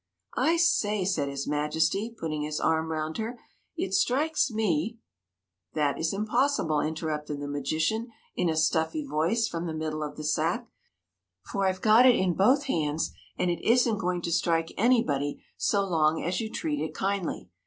" I say," said his Majesty, putting his arm round her, " it strikes me —"" That is impossible," interrupted the magi cian in a stuffy voice from the middle of the sack, "for IVe got it in both hands, and it is n't going to strike anybody so long as you treat it kindly.